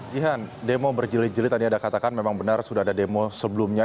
jihan demo berjilid jilid tadi ada katakan memang benar sudah ada demo sebelumnya